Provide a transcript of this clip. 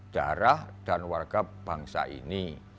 darah dan warga bangsa ini